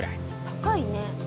高いね。